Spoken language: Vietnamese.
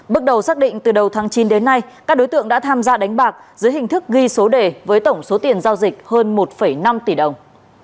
bước đầu xác định từ đầu tháng chín đến nay các đối tượng đã tham gia đánh bạc dưới hình thức ghi số đề với tổng số tiền giao dịch hơn một năm tỷ đồng